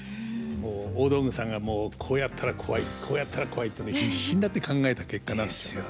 大道具さんがもうこうやったらコワいこうやったらコワいっていうの必死になって考えた結果なんですよ。